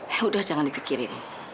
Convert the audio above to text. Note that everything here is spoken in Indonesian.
ya udah jangan dipikirin